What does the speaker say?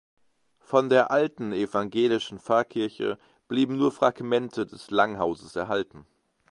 Von der alten evangelischen Pfarrkirche blieben nur Fragmente des Langhauses erhalten.